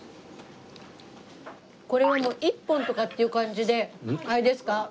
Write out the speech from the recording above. これは一本とかっていう感じであれですか？